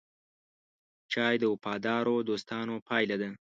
چای د وفادارو دوستانو پیاله ده.